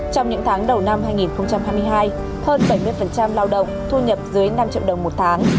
trong những tháng đầu năm hai nghìn hai mươi hai hơn bảy mươi lao động thu nhập dưới năm triệu đồng một tháng